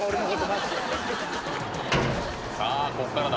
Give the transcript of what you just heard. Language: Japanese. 「さあこっからだ。